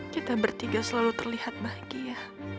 kita bertiga selalu terlihat bahagia